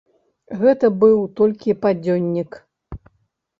Гэта быў толькі падзённік.